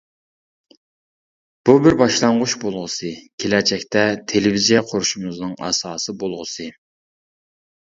بۇ بىر باشلانغۇچ بولغۇسى، كېلەچەكتە تېلېۋىزىيە قۇرۇشىمىزنىڭ ئاساسى بولغۇسى.